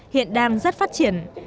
hiện đang rất phát triển